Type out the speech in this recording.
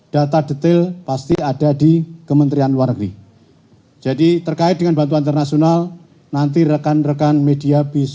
data detail pasti ada di kementerian luar negeri